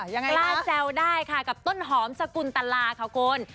ยังไงคะกลาแซวได้ค่ะกับต้นหอมสกุลตลาค่ะคน